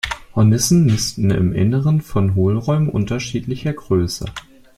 Hornissen nisten im Inneren von Hohlräumen unterschiedlicher Größe.